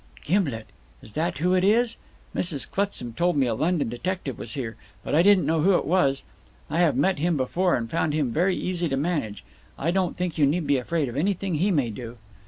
"Gimblet! Is that who it is? Mrs. Clutsam told me a London detective was here, but I didn't know who it was. I have met him before, and found him very easy to manage. I don't think you need be afraid of anything he may do."